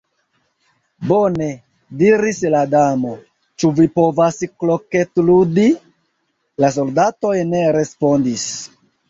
"Bone," diris la Damo. "Ĉu vi povas kroketludi?" La soldatoj ne respondis.